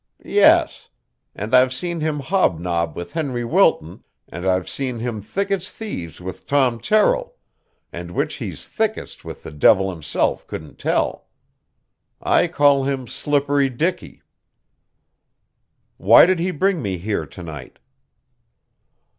"Yes. And I've seen him hobnob with Henry Wilton, and I've seen him thick as thieves with Tom Terrill, and which he's thickest with the devil himself couldn't tell. I call him Slippery Dicky." "Why did he bring me here to night?"